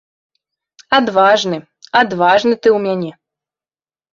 Адважны, адважны ты ў мяне.